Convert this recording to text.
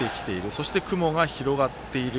そして、雲が広がっている。